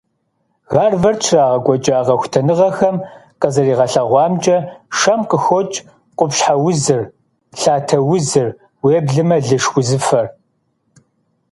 Гарвард щрагъэкӀуэкӀа къэхутэныгъэхэм къызэрагъэлъэгъуамкӀэ, шэм къыхокӀ къупщхьэ узыр, лъатэ узыр, уеблэмэ лышх узыфэр.